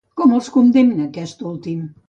Com els condemna aquest últim?